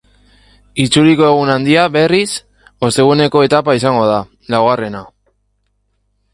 Itzuliko egun handia, berriz, osteguneko etapa izango da, laugarrena.